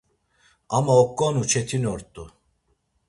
Ama oǩonu çetinort̆u!